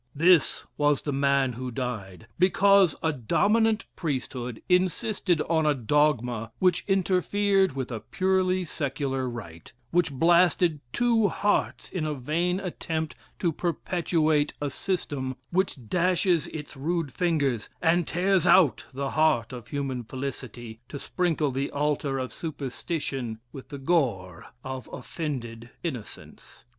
This was the man who died, because a dominant priesthood insisted on a dogma which interfered with a purely Secular rite, which blasted two hearts in a vain attempt to perpetuate a system, which dashes its rude fingers, and tears out the heart of human felicity to sprinkle the altar of superstition with the gore of offended innocence.